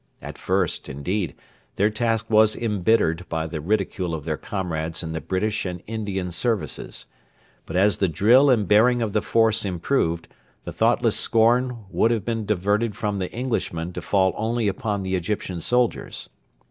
At first, indeed, their task was embittered by the ridicule of their comrades in the British and Indian Services; but as the drill and bearing of the force improved, the thoughtless scorn would have been diverted from the Englishmen to fall only upon the Egyptian soldiers.